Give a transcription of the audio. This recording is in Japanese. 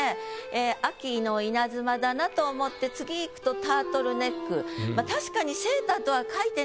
ええ秋の稲妻だなと思って次いくと「タートルネック」。